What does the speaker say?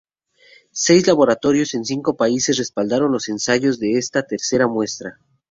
Seis laboratorios en cinco países respaldaron los ensayos de esta tercera muestra.